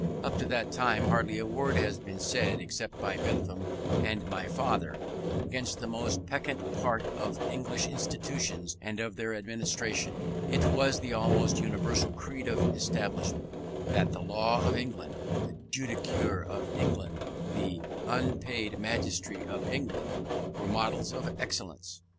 Up to that time hardly a word had been said, except by Bentham and my father, against that most peccant part of English institutions and of their administration. It was the almost universal creed of Englishmen, that the law of England, the judicature of England, the unpaid magistracy of England, were models of excellence.